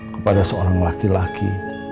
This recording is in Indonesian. kepada seorang laki laki